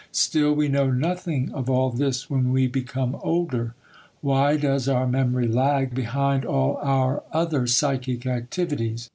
Still we know nothing of all this when we become older. Why does our memory lag behind all our other psychic activities?